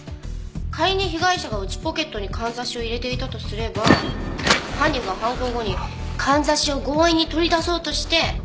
仮に被害者が内ポケットに簪を入れていたとすれば犯人が犯行後に簪を強引に取り出そうとして。